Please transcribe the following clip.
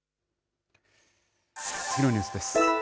次のニュースです。